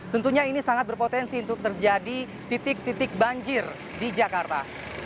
tentunya ini sangat berpotensi untuk terjadi titik titik banjir di jakarta